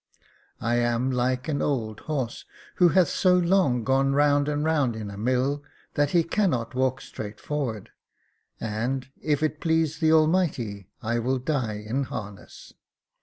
I am like an old horse, who hath so long gone round and round in a mill, that he cannot walk straight forward ; and, if it please the Almighty, I will die in harness.